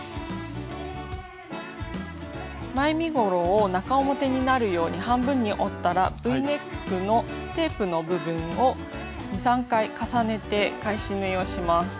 前身ごろを中表になるように半分に折ったらＶネックのテープの部分を２３回重ねて返し縫いをします。